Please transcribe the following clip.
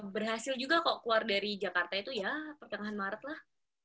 berhasil juga kok keluar dari jakarta itu ya pertengahan maret lah